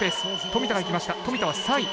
富田が行きました富田は３位。